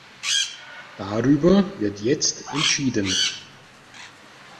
Darüber wird jetzt entschieden.